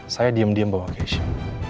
saya diem diem bawa cashon